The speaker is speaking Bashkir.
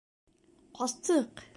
— Ҡастыҡ!